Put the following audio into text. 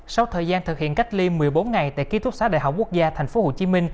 sau thời gian thực hiện cách ly một mươi bốn ngày tại ký túc xá đại học quốc gia tp hcm